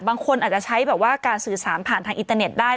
บางคนอาจจะใช้แบบว่าการสื่อสารผ่านทางอินเตอร์เน็ตได้